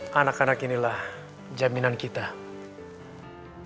pada saat ini aku mau ambil alih kertas